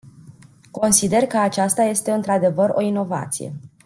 Consider că aceasta este într-adevăr o inovație.